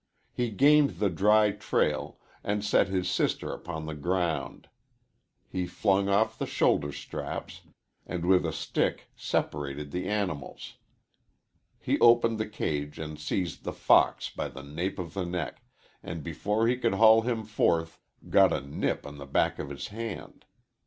He gained the dry trail, and set his sister upon the ground. He flung off the shoulder straps, and with a stick separated the animals. He opened the cage and seized the fox by the nape of the neck, and, before he could haul him forth, got a nip on the back of his hand.